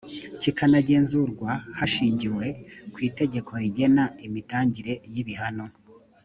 kikanagenzurwa hashingiwe ku itegeko rigena imitangire y’ibihano